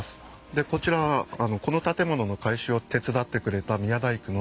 でこちらはこの建物の改修を手伝ってくれた宮大工の。